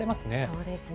そうですね。